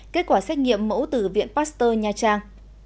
kết quả xét nghiệm mẫu từ viện pasteur nha trang